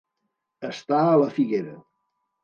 Estar a la figuera.